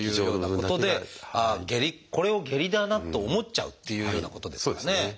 これを下痢だなと思っちゃうっていうようなことですかね。